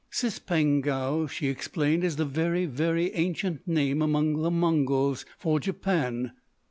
_" "Cispangou," she explained, "is the very, very ancient name, among the Mongols, for Japan."